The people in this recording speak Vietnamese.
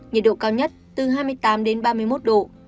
nhiệt độ cao nhất từ hai mươi tám đến ba mươi một độ